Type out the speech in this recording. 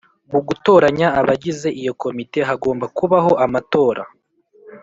Mu gutoranya abagize iyo Komite hagomba kubaho amatora